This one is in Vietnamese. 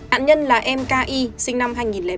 ản nhân là em k i sinh năm hai nghìn bảy